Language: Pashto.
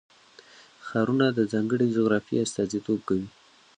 ښارونه د ځانګړې جغرافیې استازیتوب کوي.